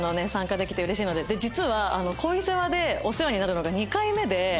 実は『恋セワ』でお世話になるのが２回目で。